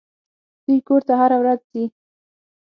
دوى کور ته هره ورځ ځي.